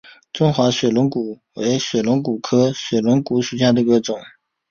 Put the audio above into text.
中华水龙骨为水龙骨科水龙骨属下的一个种。